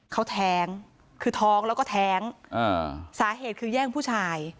เขาแท้งคือท้องแล้วก็แท้งสาเหตุคือแย่งผู้ชาย